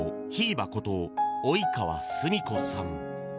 ばこと及川すみ子さん。